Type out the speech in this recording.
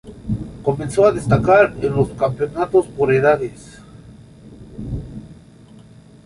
Comenzó a destacar en los campeonatos por edades.